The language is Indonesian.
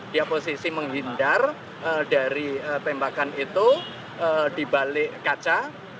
dia posisi menghindar dari tembakan itu dibalik kaca